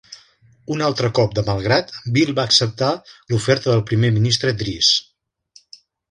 Un altre cop de mal grat, Beel va acceptar l'oferta del primer ministre Drees.